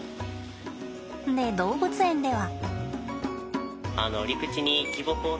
で動物園では。